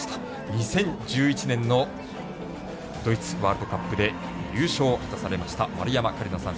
２０１１年のドイツワールドカップで優勝を果たされました丸山桂里奈さん。